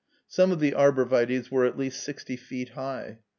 Some of the arbor vitæs were at least sixty feet high.